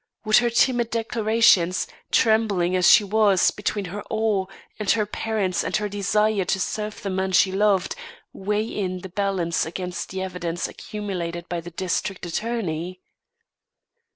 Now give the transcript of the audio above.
Would her timid declarations, trembling as she was between her awe of her parents and her desire to serve the man she loved, weigh in the balance against the evidence accumulated by the district attorney?"